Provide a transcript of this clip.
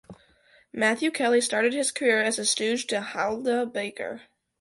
Matthew Kelly started his career as a stooge to Hylda Baker.